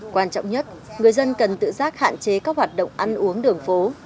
quan trọng nhất người dân cần tự giác hạn chế các hoạt động ăn uống đường phố